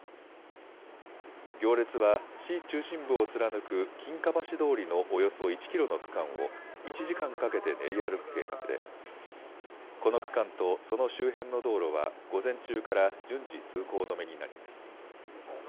行列は市中心部を貫く金華橋通りのおよそ１キロの区間を１時間かけて練り歩く計画でこの区間とその周辺の道路は午前中から順次通行止めになります。